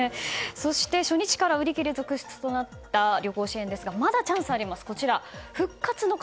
そして初日から売り切れ続出となった旅行支援ですがまだチャンスがあります。